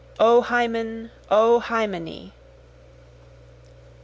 O Hymen! O Hymenee!